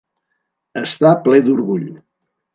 Estar ple d'orgull.